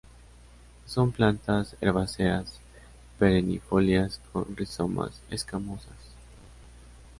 Son plantas herbáceas, perennifolias con rizomas escamosos.